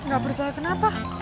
gak percaya kenapa